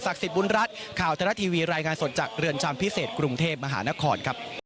สิทธิ์บุญรัฐข่าวทรัฐทีวีรายงานสดจากเรือนจำพิเศษกรุงเทพมหานครครับ